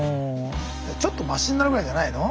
ちょっとましになるぐらいじゃないの？